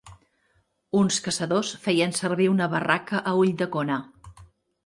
Uns caçadors feien servir una barraca a Ulldecona.